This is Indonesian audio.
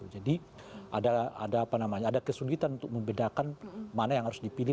jadi ada kesulitan untuk membedakan mana yang harus dipilih